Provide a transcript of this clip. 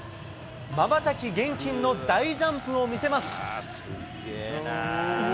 まばたき厳禁の大ジャンプを見せます。